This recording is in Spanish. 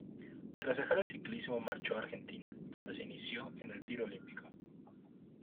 Tras dejar el ciclismo marchó a Argentina, donde se inició en el tiro olímpico.